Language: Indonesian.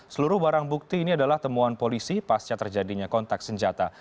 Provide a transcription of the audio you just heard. seluruh barang bukti ini adalah temuan polisi pasca terjadinya kontak senjata